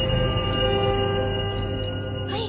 はい！